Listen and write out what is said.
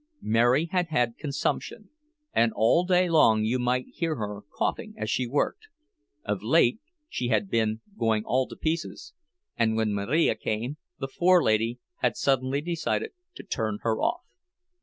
Mary had had consumption, and all day long you might hear her coughing as she worked; of late she had been going all to pieces, and when Marija came, the "forelady" had suddenly decided to turn her off.